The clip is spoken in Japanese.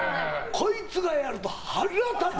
こいつがやると腹立つ！